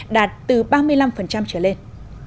đạt từ ba mươi năm trở lên